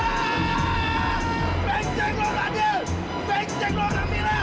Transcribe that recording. bikin cek lo padanya bikin cek lo aminah